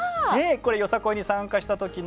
これよさこいに参加した時の。